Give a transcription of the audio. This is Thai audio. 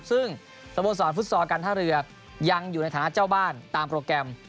ซึ่งสโมสรฟุตซอลการท่าเรือยังอยู่ในฐานะเจ้าบ้านตามโปรแกรม